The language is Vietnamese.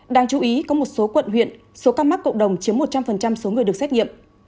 đáng chú ý có một số quận huyện số ca mắc cộng đồng chiếm một trăm linh số người được xét nghiệm